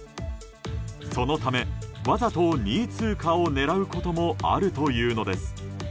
そのため、わざと２位通過を狙うこともあるというのです。